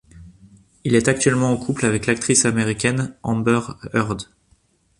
Il est actuellement en couple avec l'actrice américaine Amber Heard.